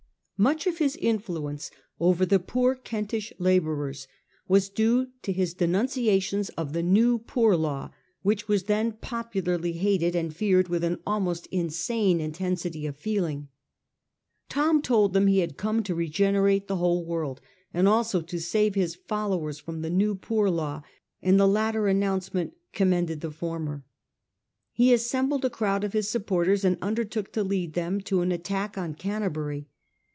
Much of his influence over the poor Kentish labourers was due to his denunciations of the new Poor Law, which was then popularly hated and feared with an almost insane intensity of feeling. Thom told them he had come to regenerate the whole world, and also to save his followers from the new Poor Law ; and the latter announcement commended the former. He assembled a crowd of his supporters, and undertook to lead them to an attack on Canter bury.